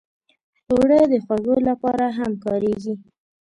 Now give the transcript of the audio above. اوړه د خوږو لپاره هم کارېږي